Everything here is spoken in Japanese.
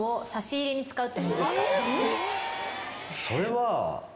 それは。